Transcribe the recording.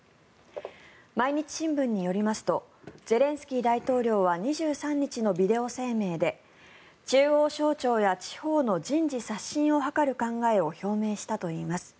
毎日新聞によりますとゼレンスキー大統領は２３日のビデオ声明で中央省庁や地方の人事刷新を図る考えを表明したといいます。